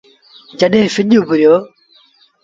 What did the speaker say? جڏهيݩ سڄ اُڀريو ۔